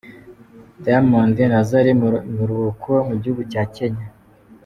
Diamond na Zari mu biruhuko mu gihugu cya Kenya.